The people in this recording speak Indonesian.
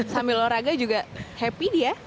sambil olahraga juga happy dia